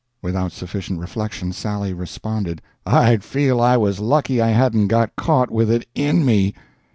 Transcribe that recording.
Without sufficient reflection Sally responded: "I'd feel I was lucky I hadn't got caught with it in me."